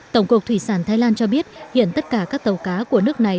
tổng cục thủy sản thái lan cho biết hiện tất cả các tàu cá của nước này